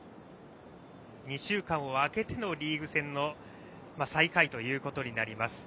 ２週間を空けてのリーグ戦の再開ということになります。